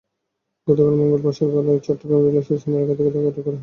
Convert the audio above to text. গতকাল মঙ্গলবার সকালে চট্টগ্রাম রেলস্টেশন এলাকা থেকে তাঁকে আটক করা হয়।